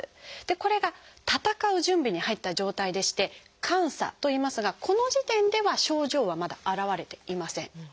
これが闘う準備に入った状態でして「感作」といいますがこの時点では症状はまだ現れていません。